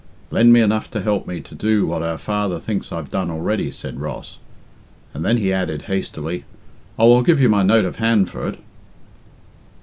"Lend me enough to help me to do what our father thinks I've done already," said Ross, and then he added, hastily, "Oh, I'll give you my note of hand for it."